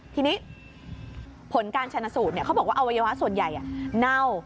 ทีนี้ผลการชนะสูตรเขาบอกว่าอวัยวะส่วนใหญ่เน่า